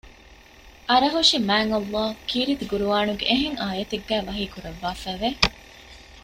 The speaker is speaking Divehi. އަރަހުށިމާތްﷲ ކީރިތި ޤުރްއާނުގެ އެހެން އާޔަތެއްގައި ވަޙީކުރައްވައިފައިވެ